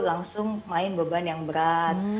langsung main beban yang berat